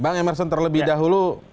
bang emerson terlebih dahulu